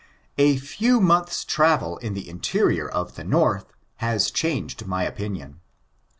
A few months' travel in the interior of the North has changed my opinion.